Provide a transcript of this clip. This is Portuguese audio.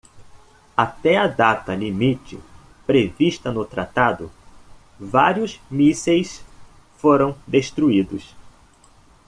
Até a data-limite, prevista no tratado, vários mísseis foram destruídos.